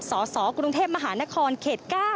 สสกรุงเทพมหานครเขต๙